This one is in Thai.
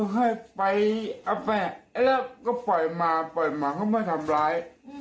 ก็ก็ปล่อยมาปล่อยมาก็ไม่ทำร้าย